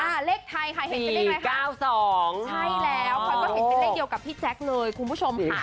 ใช่แล้วค่อยก็เห็นเป็นเลขเหอะกับพี่แจ๊กเลยคุณผู้ชม